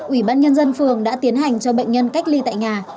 ủy ban nhân dân phường đã tiến hành cho bệnh nhân cách ly tại nhà